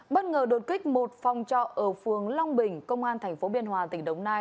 bất ngờ đột kích một phòng trọ ở phường long bình công an tp biên hòa tỉnh đồng nai